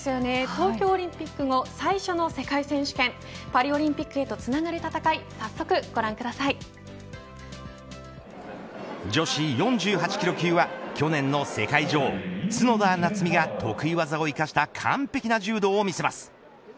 東京オリンピック後、最初の世界選手権パリオリンピックへとつながる戦い女子４８キロ級は去年の世界女王、角田夏実が得意技を生かした完璧な柔道を見せます。